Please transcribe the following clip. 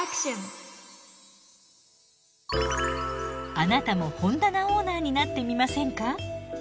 あなたも本棚オーナーになってみませんか？